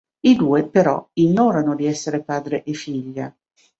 I due, però, ignorano di essere padre e figlia.